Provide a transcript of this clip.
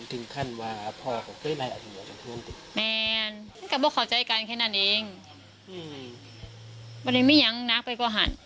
ถึงขั้นถึงขั้นว่าพอครับ